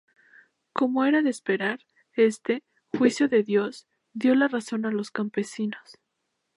Como era de esperar, este "juicio de Dios" dio la razón a los campesinos.